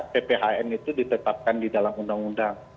pphn itu ditetapkan di dalam undang undang